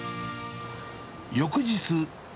翌日。